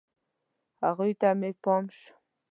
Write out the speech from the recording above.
هغوی ته مې پام شو.